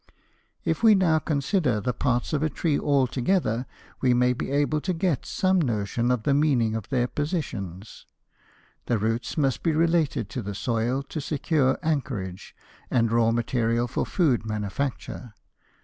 If we now consider the parts of a tree all together, we may be able to get some notion of the meaning of their positions. The roots must be related to the soil to secure anchorage and raw material for food manufacture.